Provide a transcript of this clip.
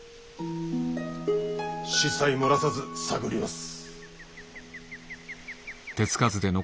子細漏らさず探ります。